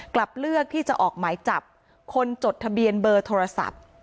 กลับเลือกที่จะออกหมายจับคนจดทะเบียนเบอร์โทรศัพท์